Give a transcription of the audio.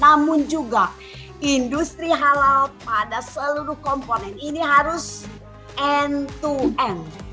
namun juga industri halal pada seluruh dunia